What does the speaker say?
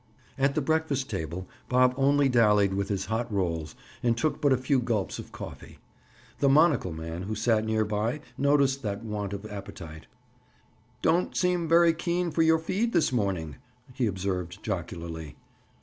At the breakfast table Bob only dallied with his hot rolls and took but a few gulps of coffee. The monocle man who sat near by noticed that want of appetite. "Don't seem very keen for your feed this morning," he observed jocularly.